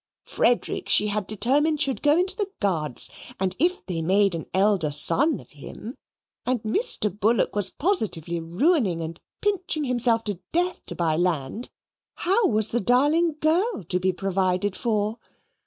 Frederick she had determined should go into the Guards; and if they made an elder son of him (and Mr. Bullock was positively ruining and pinching himself to death to buy land), how was the darling girl to be provided for?